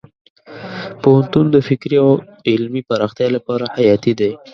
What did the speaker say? پوهنتون د فکري او علمي پراختیا لپاره حیاتي دی.